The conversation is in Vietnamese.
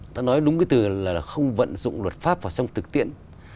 ta nói đúng cái từ là không vận dụng luật pháp vào trong thực tiễn